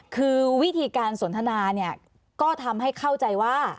คือวิธีการสนทนาเนี่ยก็ทำให้เข้าใจว่า